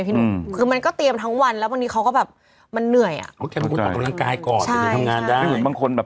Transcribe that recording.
อ๋อหรือว่าแค่ตื่นตีห้าครึ่งเค้าว่ายน้ำทุกเช้าแต่ว่าคือ